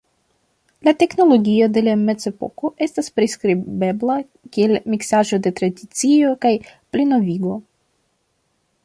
La teknologio de la Mezepoko estas priskribebla kiel miksaĵo de tradicio kaj plinovigo.